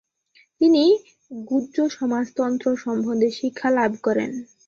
তিনি গুহ্যসমাজতন্ত্র সম্বন্ধে শিক্ষালাভ করেন।